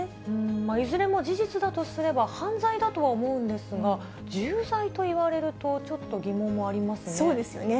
いずれも事実だとすれば、犯罪だとは思うんですが、重罪といわれると、ちょっと疑問もありそうですよね。